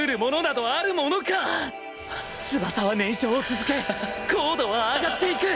翼は燃焼を続け高度は上がっていく！